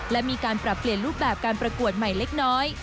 และมีการปรับเปลี่ยนรูปแบบการประกวดใหม่เล็กน้อย